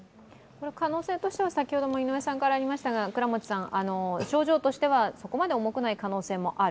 可能性としては先ほども井上さんからありましたが、症状としてはそこまで重くない可能性もある。